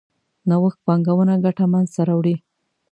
نوښت پانګونه ګټه منځ ته راوړي.